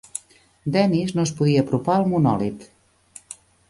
Dennis no es podia apropar al monòlit.